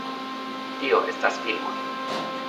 Tio estas filmoj